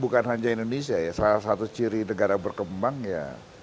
bukan hanya indonesia ya salah satu ciri negara berkembang ya